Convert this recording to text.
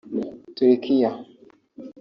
Turikiya